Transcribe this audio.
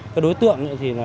cái đối tượng thì nó vai